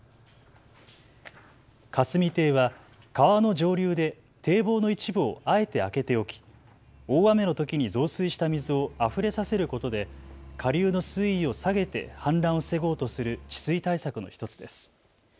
霞堤は川の上流で堤防の一部をあえて開けておき、大雨のときに増水した水をあふれさせることで下流の水位を下げて氾濫を防ごうとする治水対策の１つです。